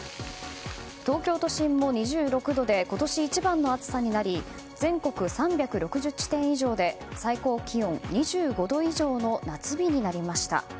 東京都心も２６度で今年一番の暑さになり全国３６０地点以上で最高気温２５度以上の夏日になりました。